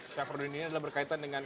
syafron ini adalah berkaitan dengan